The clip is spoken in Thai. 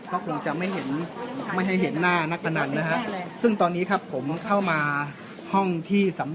ก็คงจะไม่เห็นไม่ให้เห็นหน้านักพนันนะฮะซึ่งตอนนี้ครับผมเข้ามาห้องที่สำรวจ